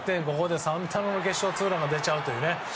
ここで決勝ツーランが出ちゃうという。